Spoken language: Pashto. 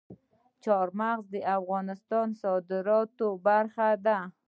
چار مغز د افغانستان د صادراتو برخه ده.